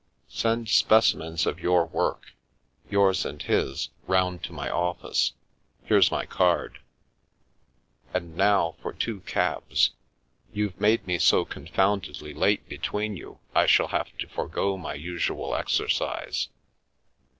Send specimens of your work — yours and his — round to my office. Here's my card. And now for two cabs — you've made me so confoundedly late between you I shall have to forego my usual exercise.